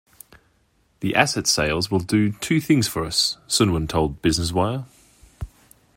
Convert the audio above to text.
'The assets sales will do two things for us,' Suwyn told Business Wire.